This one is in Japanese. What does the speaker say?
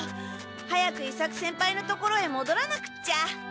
早く伊作先輩の所へもどらなくっちゃ！